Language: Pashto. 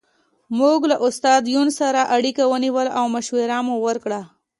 موږ له استاد یون سره اړیکه ونیوله او مشوره مو وکړه